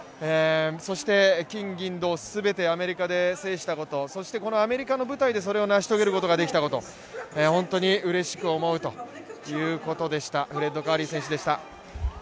そして金・銀・銅全てアメリカで制したこと、そしてアメリカの舞台でそれを成し遂げることができたこと本当にうれしく思うということでした。